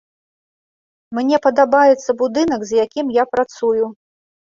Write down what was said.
Мне падабаецца будынак, з якім я працую.